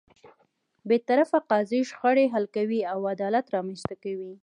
بېطرفه قاضی شخړې حل کوي او عدالت رامنځته کوي.